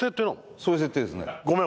そういう設定ですねごめん